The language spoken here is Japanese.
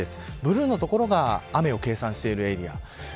ブルーの所が雨を計算してるエリアです。